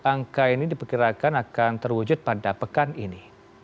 angka ini diperkirakan akan terwujud pada pekan ini